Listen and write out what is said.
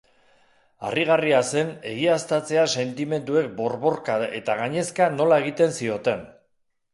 Harrigarria zen egiaztatzea sentimenduek borborka eta gainezka nola egiten zioten.